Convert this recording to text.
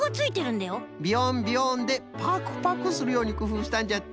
ビヨンビヨンでパクパクするようにくふうしたんじゃって。